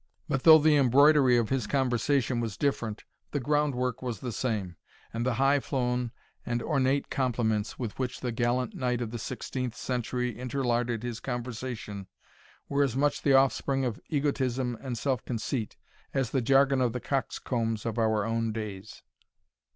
But though the embroidery of his conversation was different, the groundwork was the same, and the high flown and ornate compliments with which the gallant knight of the sixteenth century inter larded his conversation, were as much the offspring of egotism and self conceit, as the jargon of the coxcombs of our own days.